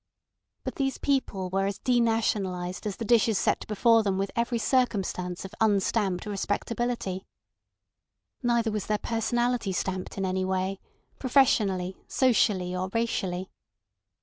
But these people were as denationalised as the dishes set before them with every circumstance of unstamped respectability. Neither was their personality stamped in any way, professionally, socially or racially.